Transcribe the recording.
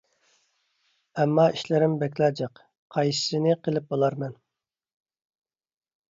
ئەمما ئىشلىرىم بەكلا جىق. قايسىسىنى قىلىپ بولارمەن؟